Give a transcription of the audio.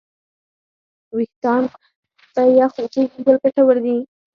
وېښتيان په یخو اوبو وینځل ګټور دي.